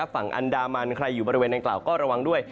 ฝั่งอันดามันใครอยู่บริเวณดังกล่าวก็ระวังด้วย